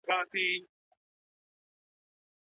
د ډیپلوماسۍ په چوکاټ کي د وګړو حقوق نه تضمین کیږي.